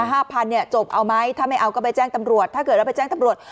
ห้าพันเนี่ยจบเอาไหมถ้าไม่เอาก็ไปแจ้งตำรวจถ้าเกิดว่าไปแจ้งตำรวจ